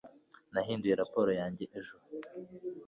nahinduye raporo yanjye ejo